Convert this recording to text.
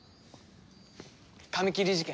髪切り事件